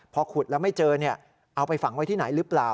พอขุดแล้วไม่เจอเอาไปฝังไว้ที่ไหนหรือเปล่า